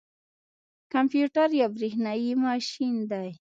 کمپيوټر یو بریښنايي ماشین دی